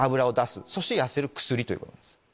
そして痩せる薬ということです。